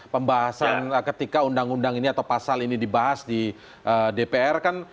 pembahasan ketika undang undang ini atau pasal ini dibahas di dpr kan